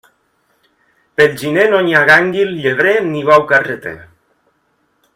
Pel gener no hi ha gànguil llebrer ni bou carreter.